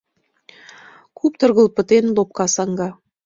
Куптыргыл пытен лопка саҥга.